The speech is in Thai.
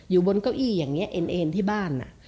อยู่บนเก้าอี้อย่างนี้เอ็นเอ็นที่บ้าน